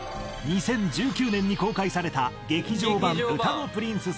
２０１９年に公開された『劇場版うたの☆プリンスさまっ